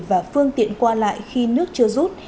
và phương tiện qua lại khi nước chưa rút